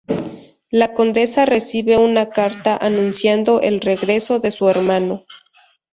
La condesa recibe una carta anunciando el regreso de su hermano.